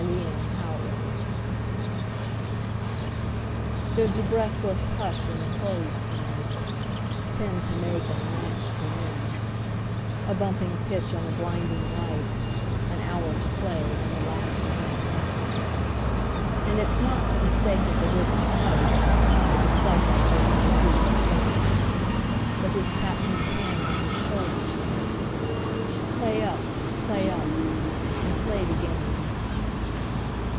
Vitaï Lampada There's a breathless hush in the Close to night Ten to make and the match to win A bumping pitch and a blinding light, An hour to play and the last man in. And it's not for the sake of a ribboned coat, Or the selfish hope of a season's fame, But his Captain's hand on his shoulder smote "Play up! play up! and play the game!"